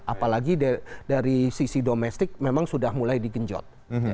apalagi dari sisi domestik memang sudah mulai di genjot